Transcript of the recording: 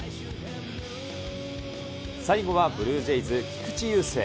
最後はブルージェイズ、菊池雄星。